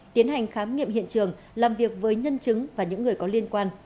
tiến hành khám nghiệm hiện trường làm việc với nhân chứng và những người có liên quan